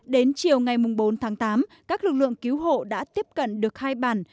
đến chiều ngày bốn tháng tám các lực lượng cứu hộ đã tiếp cận được hai bản